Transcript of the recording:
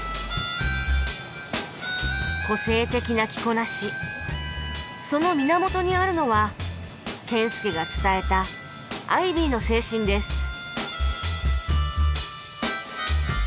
個性的な着こなしその源にあるのは謙介が伝えたアイビーの精神です